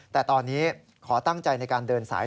แต่ตอนนี้ขอตั้งใจในการเดินสาย